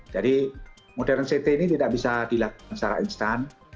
modern city ini tidak bisa dilakukan secara instan